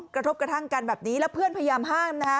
กระทบกระทั่งกันแบบนี้แล้วเพื่อนพยายามห้ามนะฮะ